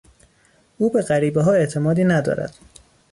او به غریبهها اعتمادی ندارد.